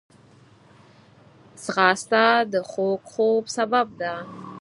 ځغاسته د خوږ خوب سبب ده